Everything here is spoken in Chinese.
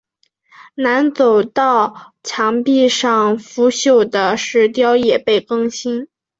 南走道墙壁上腐朽的石雕也被更新。